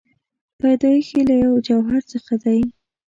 پیدایښت یې له یوه جوهر څخه دی.